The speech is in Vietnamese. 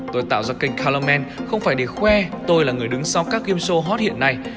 tôi tạo ra kênh kaluman không phải để khoe tôi là người đứng sau các game show hot hiện nay